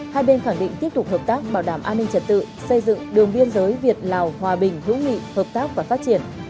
hai bên khẳng định tiếp tục hợp tác bảo đảm an ninh trật tự xây dựng đường biên giới việt lào hòa bình hữu nghị hợp tác và phát triển